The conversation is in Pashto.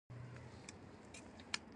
ډېر جادوګران خولې بندوي.